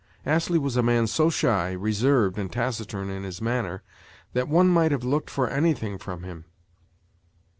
Astley was a man so shy, reserved, and taciturn in his manner that one might have looked for anything from him.